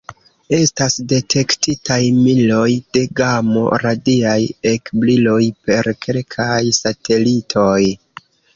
Estas detektitaj miloj de gamo-radiaj ekbriloj per kelkaj satelitoj.